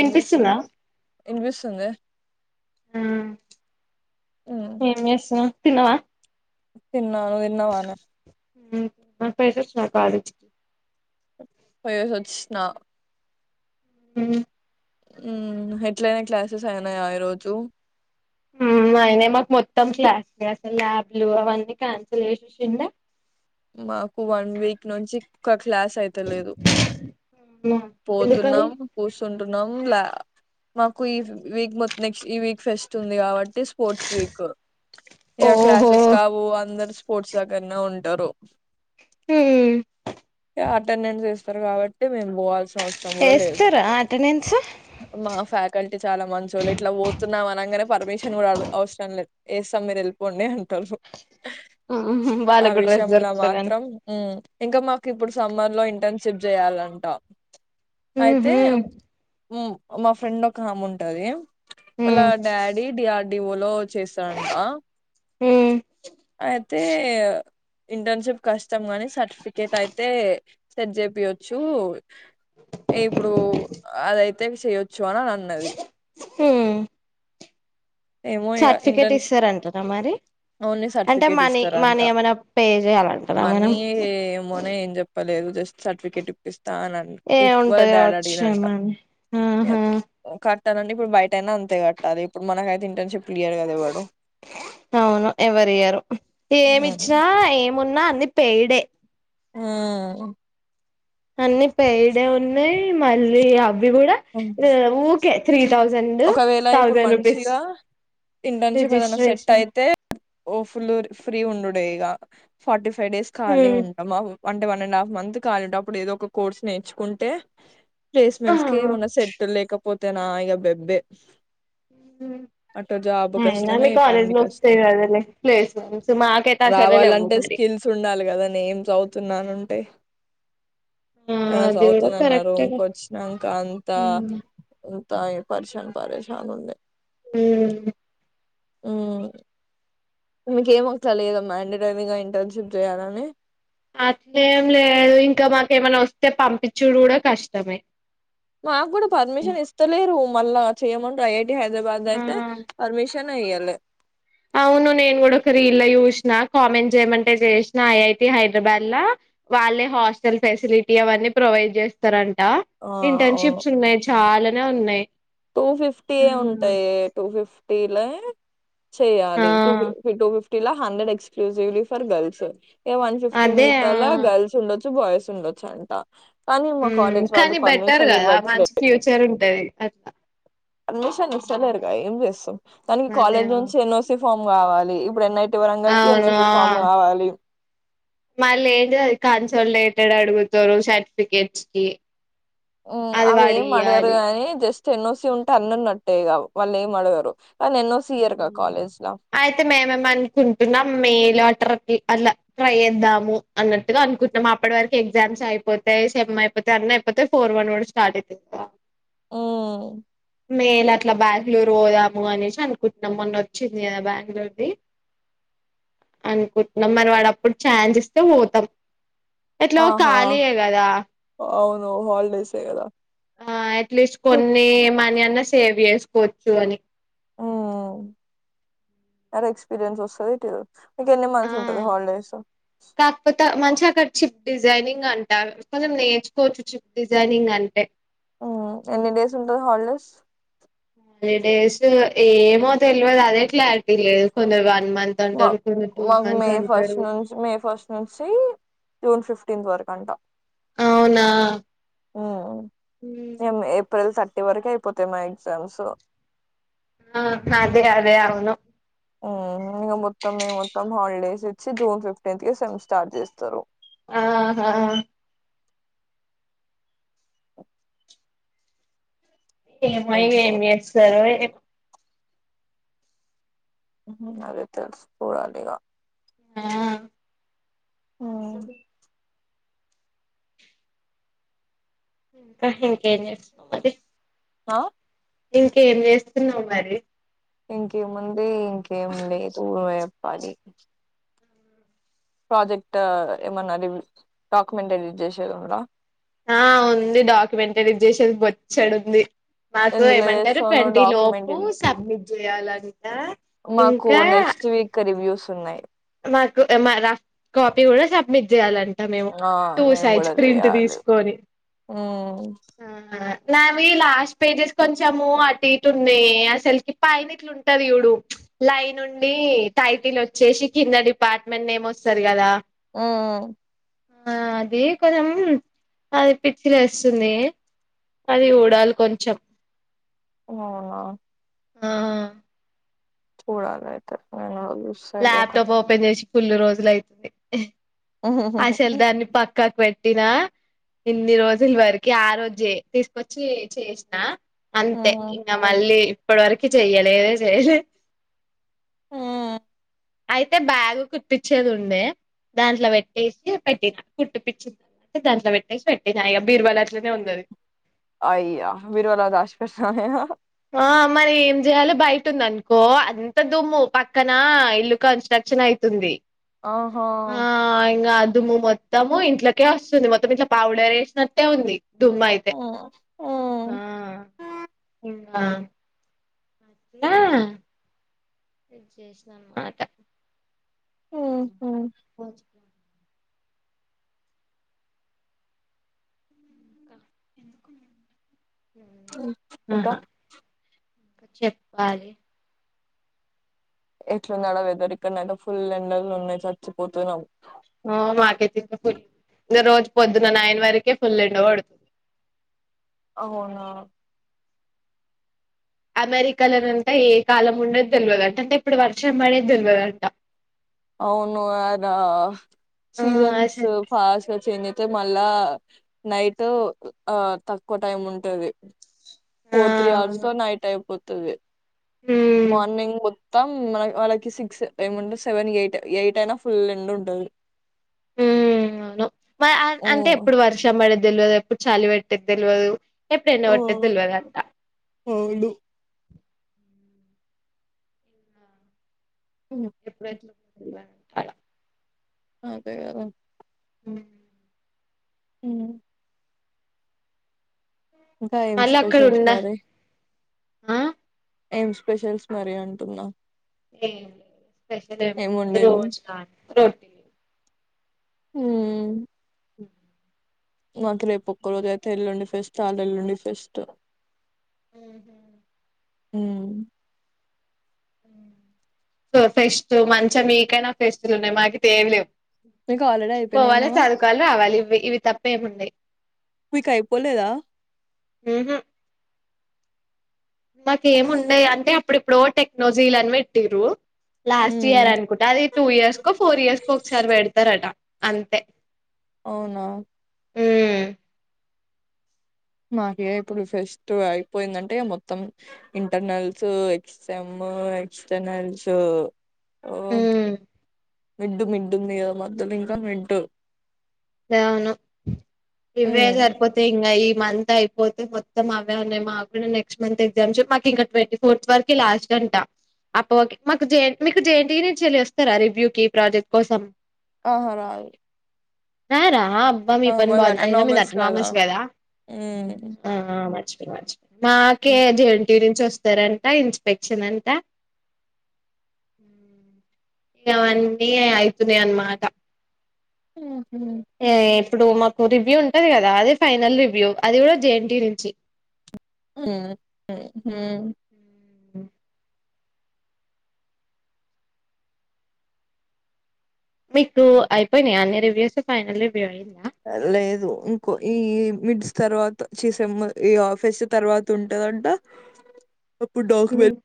ఏం చేస్తున్నావు్ ఇనిపిస్తుంది ఆ ఏం చేస్తున్నావ్ తినవా తిన్ నవ్వు తిన్నావా నే మా పైస స్వా కాలేజీకి పోయేసిసొచ్చిన మ్మ్ ఉ ఎట్లయినా క్లాసెస్ అయినాయా ఈరోోజు ఉ అయినా మాకు మొత్తం క్లాస్ అసలు ల్యాబ్లు అవన్నీ క్యాన్సిల్ చేసేసింద మాకు వన్ వీక్ నుంచి కట్ క్లాస్ అయితేలేదు ఎందుకని పోతున్నాం కూస్తుం ఉన్నాం లాయా మాకు ఈ వీక్ మొం నెక్స్ట్ ఈ వీక్ ఫెస్ట్ ఉంది కాబట్ టే స్పోర్ట్స్ వక్ ఇగ ఓహో క్లాసెస్ కావు అందరు చే [unintelligible] కన్నా ఉంటారు మ్మ్ యా అటెండెన్స్ ఎస్ తరు కాబట్టి మేము పోవాల్సి అవసరం కూడా లేదు ఏస్తరా అటెండెన్స్ మా ఫ్యాకల్టీ చాలా మంచోళ్ళ ఇట్లా పోతున్నావ నగానే పర్మిషన్ కూడా అవ్ అవసరం లేదు వేస్తాం మీరు వెళ్లిపోండి అన్ బాలు గుడే రాయి జముల మాత్రం ఉ ఇంకా మాకు ఇప్పుడు సమ్మర్ లో ఇంటర్న్షిప్ చేయ్యాలంటా అయితే ఊహూ ఉ మా ఫ్రెండ్ ఒక హామ్మ ఉంటది మళ్లా మ్మ్ డాడీ డియాడ డివోలో చేసాఅంట మ్మ్ అయితే ఇంటర్న్షిప్ కష్టం గాని సర్టిఫికేట్ అయితే సరి చేపి యొచ్చు ఇప్పుడు అదై రిటన్ చేయోచ్చు అని అన్నది హ్మ్ ఏమో ఇంటర్న్షప్ ఇస్తారంటనా మరి ఓన్లీ అంటే సర్టిఫికేట్ మనీ మనీ ఇస్తారంట ఏమైనా పే చేయాలంటనా మనం మనీ ఏమోనే ఏం చెప్పలేదు జస్ట్ సర్టిఫికేట్ ఇప్పిస్తా అని ఏ ఇప్పు ఉంటది డాడీ కావచ్చు అడిగిరంట ఏమో అని ఆహా కట్ తనండి ఇప్పుడు బయట అయిన అంతే కట్టాలి ఇప్పుడు మనకైతే ఇంటర్న్షిప్ క్లియర్ కదా ఇవ్వడు అవును ఎవరియ్యరూ ఏమి ఇచ్చినా ఏం ఉన్న అన్ని పెయిడే ఆ అన్నీ పెయిడే ఉన్నాయి మళ్ళీ అవి కూడా ఉమ్ ఊ కే త్రీ థౌజండ్ ఒకవేళ ఇప్పుడు థౌజండ్ రూపీస్ మంచిగా ఇంటర్న్షిప్ ఏదైనా సెట్ రిజిస్ట్రేషన్ అయితే ఓ ఫుల్ ఫ్రీ ఉండు పేగా ఫోర్టీ ఫ ఫైవ్ డేస్ ఖాళీ ఉంటం ఆ one to one and half month ఖాలుంటావ్ అప్పుడు ఏదో ఒక కోర్స్ నేర్చుకుంటే ప్లేస్మెంట్స్ కి ఏమన్నా సెట్ లేక పోతేనా ఇగ బెబ్ బ్బే అటు జాబ్ అయినా కష్టమే మీ కాలేజ్ ఇటన్నీ లో కష్టం వస్తాయి కదలే ప్లేస్మెంట్స్ మాకైతే అసలే లేవ్వు రావాలంటే మరి స్కిల్స్ ఉండాలి కదా నేను చవుతున్నాను టే ఆ నే నా అది కూడా చదువుతనన్నారు కరెక్టేలే ఇంకొచ్చినాక అంత ఉమ్ తాయు పర్షాన్ పరేషాన్ ఉంది ఊ ఊ మీకేమోతా లేదా మేండటరీగా ఇంటర్న్షిప్ చేయాలని అట్లేం లేదు ఇంక మాకేమన్నా వస్తే పంపిచ్చుడు కూడా కష్టమే మాగ్గూడా పర్మిషన్ ఇస్తలేరు మళ్ళా చేయమంటా యే హైద్రాబాద్ లో ఐతే ఆ పర్మిష్ [inaudible] నే ఎయ్యాలే అవును నేను కూడా ఒక్క రీల్ లో చూసినా కామెంట్ చేయమంటే చేసిన ఐ ఐ టి హైదరాబాద్ల వాళ్ళే హాస్టల్ ప్రొవైడ్ ఫెసిలిటీ అవన్నీ ప్రొవైడ్ చేస్తారన్ హా ఆ ఇంటర్ షిప్స్ ఉన్నాయి చాలా అ ఉన్నాయి టూ ఫిఫ్టీయ హ్మ్. ఉంటాయి టూ ఫిఫ్టీ ట్టేలా ఆ చేయాలి టూ ఫిఫ్ టూ ఫిఫ్టీ ఇలా hundred exclusively for girls A one fifty అదే మిగతా ఆ గర్ల్స్ ఉండదు బాయ్స్ ఉండొచ్చు అంట కానీ మా ఉమ్ కాలేజ్ వాళ్ళు కానీ బెటర్ పర్మిషన్ కదా ఇవ్వట్లే మంచి ఫ్యూచర్ ఉంటాంది అట్లా పర్మిషమ్ ఇస్తారేరు కదా ఎం చేస్తాం కానీ అదే కాలేజ్ ఆ! నుంచి ఎన్ ఓ సి ఫామ్ కావాలి ఇప్పుడు ఎన్ టి వరంగల్ కి ఎన్ ఓ అవును సి ఆ ఫామ్ కావాలి మళ్ళీ ఏంటి అది కన్సల్టేటెడ్ అడుగుతారు సర్టిఫికెట్స్ కి ఉ అది అవేం అడగరు వాడియ్యాలి అని జస్ట్ ఎన్ ఓ సి ఉంటే అన్న నట్టేగా వాళ్ళు ఏం అడగరు కానీ ఎన్ఓసి ఇయ్యరుగా హ్మ్మ్ కాలేజ్ లా అయితే మేమేము అనుకుంటున్నాం మేలు లెటర్ అలా ట్రై చేద్దాము అన్నట్టుగా అనుకుంటున్నాము అప్పటి వరకు ఎగ్జామ్స్ అయిపోతాయి సెమ్ అయిపోతయి అన్ని అయిపోతాయి ఫోర్ వన్ కూడా స్టార్ట్ అయితుందిదా ఉమ్ మేల అట్లా బాల్ మీరు ఓ అప్ అనేసి నిన్న మొన్న వచ్చింది కదా బెంగళూరుది అనుకుంటున్నాం మరి వాడు అప్పుడు ఛాన్జ్ ఇస్తే పోతాం ఎట్లా ఓ ఖాళీయీ కదా ఓ హాలిడేస్ ఏ కదా ఆ ఎట్లీస్ట్ కొన్ని మనీ అన్న సేవ్ చేసుకోవచ్చు అని ఉ ఉ ఉ ఎక్స్పీరియన్స్ వస్తాదిత్తే మీకు ఎన్ని ఆ మంత్స్ ఉంటాద్దీ హాలిడేస్ అక్ చిప్ డిజైనింగ్ అంట కొంచెం నేర్చుకోవచ్చు చిప్ డిజైనింగ్ అంటే ఉమ్ ఎన్ని డేస్ ఉంటది హాలిడేస్ హాలీ డేస్ ఏమో తెలియదు అదే క్లారిటీ లేదు కొందరు మంత్ మా అంటారు కొందరు టూ మాకు మే మంత్స్ ఫస్ట్ అంటారు నుంచి మే ఫస్ట్ నుంచి జూన్ ఫిఫ్త్ ఫిఫ్టీంత్ వరకు అంట అవునా ఉమ్ ఏప్రిల్ త థర్టీ వరకు అయిపోతాయి మా ఎగ్జామ్స్ ఆ అదె అదె అవును. హు ఇగ మొత్తం ఎమ్ ఉంటామ్ హాలిడేస్ ఇచ్చి జూన్ ఫిఫ్టీన్త్ కి సెమ్ స్టార్ట్ చేస్తరు. ఆహా ఏమై ఇంకే ఏమి చెస్తరో అదే తెలుస్ పుడ లిగా ఆ ఉమ్, బ ఇంక ఇంక ఏమ్ చేస్తున్నవ్ మరి హా ఇంకేం చేస్తున్నావ్ మరి ఇంకేముంది ఇంకేం లేదు నువ్వే చెప్పాలి ప్రాజెక్ట్ ఏమన్నా రివ్యు డాక్యుమెంట్ ఎడిట్ చేసేది ఉందా. ఆ ఉంది డాక్యుమెంటరీ చేసేది బొచ్చెడు ఉంది. మాకు ఎందులో ఏమంటారు చేస్తావు నువ్వు ట్వంటీ డాక్యుమెంట్ లోపు ఎడిట్ సబ్మిట్ జేయలా మాకు నెక్స్ట్ వీక్ రివ్యూస్. ఉన్నయ్ మాకు మా రఫ్ కాపీ కూడా సబ్మిట్ చేయాలంట ంట మేమ ఆ టూ మేము సైడ్స్ కూడా ప్రింట్ చేయాలి తీసుకొని మ్మ్ ఆ నావి లాస్ట్ పేజెస్ కొంచము అటు ఇటు ఉన్నాయి అసలుకి పైన ఇట్లు ఉంటది చూడు లైన్ ఉండి టైటిల్ వచ్చేసి కింద డిపార్ట్మెంట్ నేమ్ వస్తాది కదా హు ఆ అది కొంచెం అది పిచ్చి లేస్తుంది. అది ఊడాలి కొంచెం. ఆ ఆ చూడలయితే ఎమ్ కాదు లాప్ టాప్ ఓపెన్ చేసి పిల్లి రోజులు అయితుంది అసలు హ్మ్. దాన్ని పక్కకు పెట్టినా ఇన్నిరోజుల వరకి ఆ రోజే తీసుకొచ్చి చేసిన అంతే ఇంగ మళ్ళీ ఇప్పుడు వరకి చెయ్యలేదే చేశి హ్మ్. అయితే బ్యాగు్ కుట్తిచ్చేది ఉండే దాంట్లో వెట్ ే పెట్టి కుట్టి పిచ్చిన దాంట్లో పెట్టేసి పెట్టినా ఇగ బీర్వల అట్లనే ఉంది అది అయియా బిరువాల దాష్ పె [unintelligible] ఆ మరి ఏం చేయయాలోి బయట ఉంది అనుకో అంత దుమ్ము పక్కన ఇల్లు కన్స్ట్రక్షన్ అయితుంది ఆహా! ఆ ఇంగ అది దుమ్ము మొత్తము ఇంట్లకే వస్తుంది. మొత్తం ఇంట్లా పౌడర్ వేసినట్టే ఉంది. దుమ్ అయితే హ్మ్. ఆ హ్మ్. ఊ ఆ నా ది చేసిన అన మాట హ్మ్ హ్మ్ ఎందుకు ఊ ఇంకా చెప్పాలి ఎట్లుంది ఆడ వెధర్ ఇక్కడ నాలభై ఫుల్ ఎండల్లు ఉన్నాయి చచ్చిపోతున్నాం ఊ మాకె [unintelligible] ఫు రోజు పొద్దున నైన్ వరకే ఫుల్ ఎండ పడుతుంది అవునా అమెరికాలలో అంట ఏ కాలం ఉన్నది తెల్వదంట అంటే ఇప్పుడు వర్షం అనేేది తెల్వదంట అవును అదా ఆ సీజన్స్ అసలు ఫాస్ట్ గా చేంజ్ తే మళ్ళా నైటు ఆ తక్కువ టైం ఉంటది ఆ ఫోర్ త్రీ అవర్స్ అవును లో నైట్ అయిపోద్ది అదే ఉమ్ మార్నింగ్ మొత్తం మన మనకి వాళ్ళకి సిక్స్ ఏముంటే సెవెన్ ఎయిట్ ఎయిట్ అయినా ఫుల్ ఎండ ఉంటది ఊ అవును వ ఆ ఆ అంటే హ్మ్. ఇప్పుడు వర్షం పడది తెలవదు ఎప్పుడు చలి పెట్టేది తెలవదు ఎప్పుడు ఎండ ఓ పడతది తెలియదంట అవును హ్మ్. ఎప్పుడు ఎట్లా ఎలా అలా అదే కదా హ్మ్ హ్మ్ ఇంకా ఏం మళ్ళీ అక్కడ స్పెషల్స్ ఉండ మరి ఆ ఏం స్పెషల్స్ మరి అంటున్నా ఏం స్పెషల్ ఏం ఏముందటి వండింది రోజు లానే రోట్ హ్మ్ నాకు రేపు ఒక్క రోజు అయితే ఎల్లుండి ఫెస్ట్ వాళ్ళ ఎల్లుండి ఫెస్ట్ ఊహు హ్మ్ సో ఫెస్ట్ మంచిగా మీకైనా ఫ్రెస్ట్లు ఉన్నాయి మాకైతే ఏమీ లేవు మీకు ఆల్రెడీ పోవాలే అయిపోయినాయేమోగా చదువుకోవాలి రావాలి ఇవి ఇవి తప్పేముంది మీకైపోలేదా హ్మ్ హు మాక ఏమి ఉండయి అంటే ఇప్పుడు ఎప్పుడో టెక్నాలజీ ఇని పెట్టిరు లాస్ట్ హ్మ్. ఇయర్ అనుకుంటా అది టూ ఇయర్స్కో ఫోర్ ఇయర్స్కో ఒకసారి పెడతారట. అంతే అవునా ఉమ్ మాకే ఇప్పుడు ఫెస్ట్ అయిపోయిందంటే మొత్తం ఇంటర్నల్స్ ఎగ్జామ్ ఎక్స్టర్నల్స్. ఓ ఉమ్ మిడ్డు మిడ్డు ఉంది కదా మధ్యలో ఇంకా మిడ్డు అవును ఇవే హ్మ్. సరిపోతే ఇంకా ఈ మంత్ అయిపోతే మొత్తం అవే ఉన్నాయి, మాకి అవి నెక్స్ట్ మంత్ ఎగ్జామ్స్ మాకు ఇంకా ట్వంటీ ఫోర్త్ వరకు లాస్ట్ అంట అపొ కి మాకు జేఎ మీకు జేఎన్టీయూ నుంచి వస్తారా రివ్యూ కి ప్రాజెక్ట్ కోసం ఆహ రారు రార ఆ అబ్బా మీ పని బాగుంది అయిన మీది అట్టనామస్ కదా హ్మ్ ఆ మచపో వాచ్ మాకే జంటీరి చూస్తారంట ఇన్స్పెక్షన్ అంట ఇవన్నీ అవుతున్నాయి అన్నమాట హ్మ్ ఎయిర్ ఇప్పుడు మాకు రివ్యూ ఉంటది కదా అదే ఫైనల్ రివ్యూ అది కూడా జేఎన్టీ నుంచి ఉమ్ ఉ హు మ్ మీకు అయిపోయినాయ అన్ని రివ్యూస్ ఫైనల్ రివ్యూ అయింద లేదు ఇంకో ఈ మిడ్స్ తర్వాత చసా ఈ ఆఫీస్ తర్వాత ఉంటదంట ఫు డాక్ వెేల్ ఉమ్